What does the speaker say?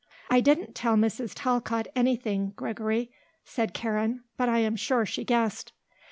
"I didn't tell Mrs. Talcott anything, Gregory," said Karen. "But I am sure she guessed."